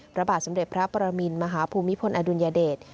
พระบาทสมเด็จพระปรมินมหาภูมิพลอดุลยเดช